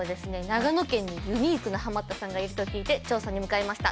長野県にユニークなハマったさんがいると聞いて調査に向かいました。